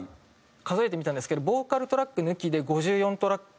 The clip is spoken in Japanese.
数えてみたんですけどボーカルトラック抜きで５４トラック。